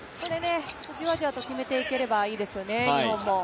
じわじわと決めていければいいですよね、日本も。